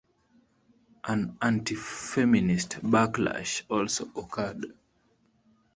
An antifeminist backlash also occurred.